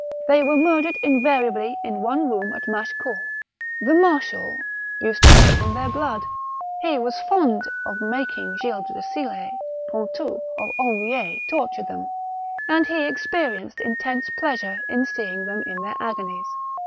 They were murdered invariably in one room at Machecoul. The marshal used to bathe in their blood ; he was fond of making Gilles de Sill6, Pontou, or Henriet torture them, and he experienced intense pleasure in seeing them in their agonies.